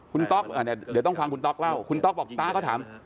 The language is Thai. คุณต๊อกเดี๋ยวต้องฟังคุณต๊อกเล่าคุณต๊อกบอกต๊าก็ถาม